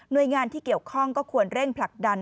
โดยงานที่เกี่ยวข้องก็ควรเร่งผลักดัน